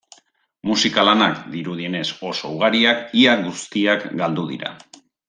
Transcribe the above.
Musika-lanak, dirudienez oso ugariak, ia guztiak galdu dira.